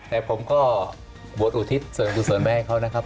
แต่ผมก็บวชอุทิศส่วนกุศลไปให้เขานะครับ